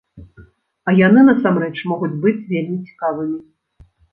А яны насамрэч могуць быць вельмі цікавымі.